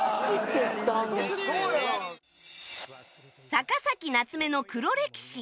逆先夏目の黒歴史。